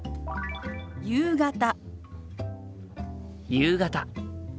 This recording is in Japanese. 夕方。